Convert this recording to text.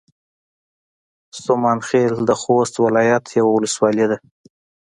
سومال خيل د خوست ولايت يوه ولسوالۍ ده